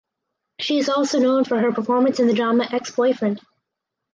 She is also known for her performance in the drama "Ex Boyfriend".